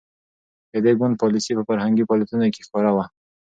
د دې ګوند پالیسي په فرهنګي فعالیتونو کې ښکاره وه.